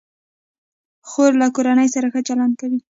خور له کورنۍ سره ښه چلند کوي.